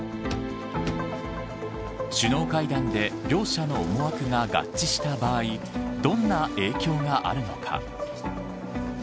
首脳会談で、両者の思惑が合致した場合どんな影響があるのか。